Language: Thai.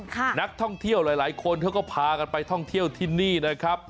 นักท่องเที่ยวหลายคนเขาก็พากันไปท่องเที่ยวที่นี่นะครับ